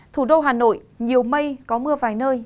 thủ đô hà nội nhiều mây có mưa vài nơi